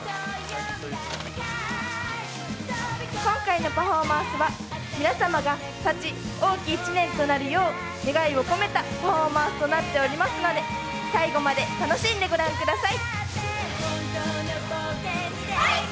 今回のパフォーマンスは皆様が幸多き１年となるよう願いを込めたパフォーマンスとなっておりますので最後まで楽しんでご覧ください。